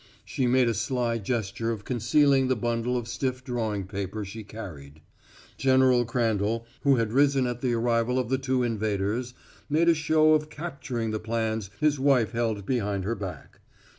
She made a sly gesture of concealing the bundle of stiff drawing paper she carried. General Crandall, who had risen at the arrival of the two invaders, made a show at capturing the plans his wife held behind her back.